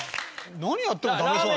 何やってもダメそう。